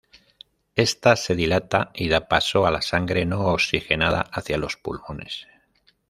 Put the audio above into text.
Ésta se dilata y da paso a la sangre no oxigenada hacia los pulmones.